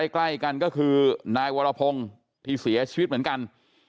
ใกล้กันก็คือนายวรพงศ์ที่เสียชีวิตเหมือนกัน